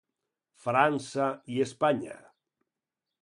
França i Espanya.